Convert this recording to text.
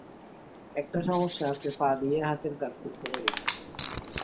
একটা সমস্যা আছে, পা দিয়ে হাতের কাজ করতে পারি।